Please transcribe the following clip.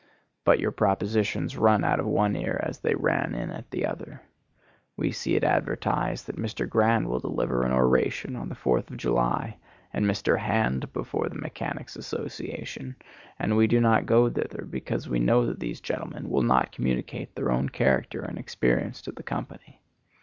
But your propositions run out of one ear as they ran in at the other. We see it advertised that Mr. Grand will deliver an oration on the Fourth of July, and Mr. Hand before the Mechanics' Association, and we do not go thither, because we know that these gentlemen will not communicate their own character and experience to the company.